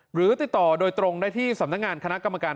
หรือติดต่อโดยตรงได้ที่สำนักงานคณะกรรมการ